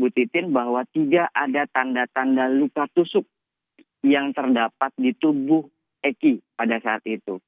bu titin bahwa tidak ada tanda tanda luka tusuk yang terdapat di tubuh eki pada saat itu